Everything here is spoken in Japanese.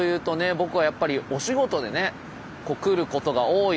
僕はやっぱりお仕事でね来ることが多いですけれども。